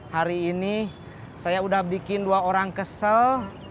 hari ini saya sudah bikin dua orang kesel